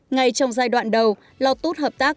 ngay trong giai đoạn đầu lotus hợp tác